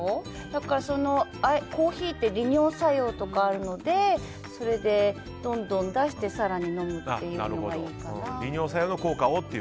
だから、コーヒーって利尿作用とかがあるのでそれで、どんどん出して更に飲むっていうのがいいかなって。